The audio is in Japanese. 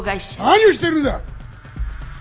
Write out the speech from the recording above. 何をしてるんだ！